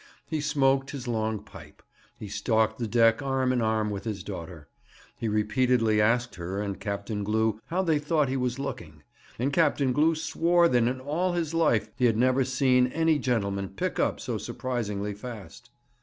He smoked his long pipe. He stalked the deck arm in arm with his daughter. He repeatedly asked her and Captain Glew how they thought he was looking; and Captain Glew swore that in all his life he had never seen any gentleman pick up so surprisingly fast.